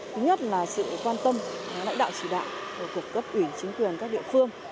thứ nhất là sự quan tâm lãnh đạo chỉ đạo của cấp ủy chính quyền các địa phương